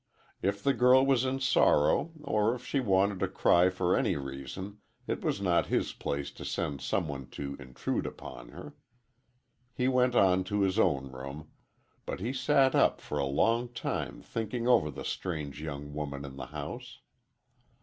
If the girl was in sorrow or if she wanted to cry for any reason, it was not his place to send someone to intrude upon her. He went on to his own room, but he sat up for a long time thinking over the strange young woman in the house.